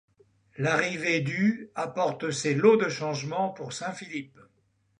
L’arrivée du apporte ses lots de changements pour Saint-Philippe.